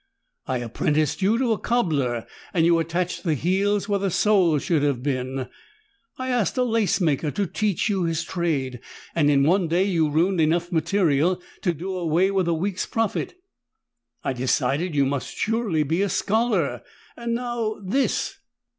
I apprenticed you to a cobbler, and you attached the heels where the soles should have been. I asked a lacemaker to teach you his trade, and in one day you ruined enough material to do away with a week's profit. I decided you must surely be a scholar, and now this!"